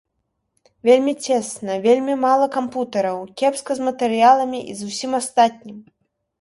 Вельмі цесна, вельмі мала кампутараў, кепска з матэрыяламі і з усім астатнім.